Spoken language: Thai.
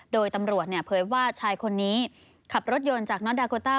โดยตำรวจเผยว่าชายคนนี้ขับรถยนต์จากน็อตดาโกต้า